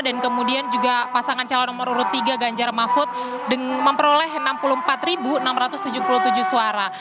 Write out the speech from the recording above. dan kemudian juga pasangan calon nomor urut tiga ganjar mahfud memperoleh enam puluh empat enam ratus tujuh puluh tujuh suara